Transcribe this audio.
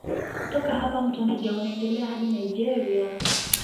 Kutoka hapa mto Niger unaendelea hadi Nigeria.